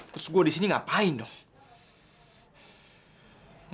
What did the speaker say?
terus gue disini ngapain dong